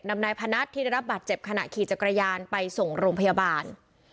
นายพนัทที่ได้รับบาดเจ็บขณะขี่จักรยานไปส่งโรงพยาบาล